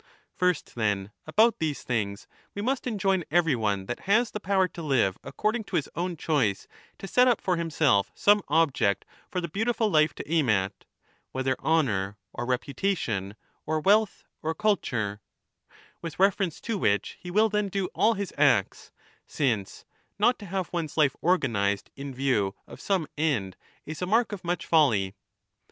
First then about these things we must enjoin every one 2 that has the power to live according to his own choice to set up for himself some object for the beautiful life to aim at, (whether honour or reputation or wealth or culture), with reference to which he will then do all his acts, since not to 10 have one's life organized in view of some end is a mark of much folly.